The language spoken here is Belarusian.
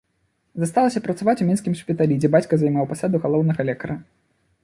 Засталася працаваць у мінскім шпіталі, дзе бацька займаў пасаду галоўнага лекара.